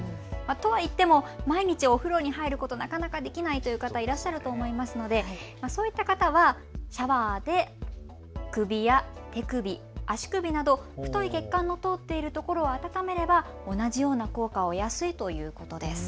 とはいっても毎日を風呂に入ることなかなかできないという方、いらっしゃると思いますのでそういった方はシャワーで、首や手首、足首など太い血管の通っているところを温めれば同じような効果をえやすいということです。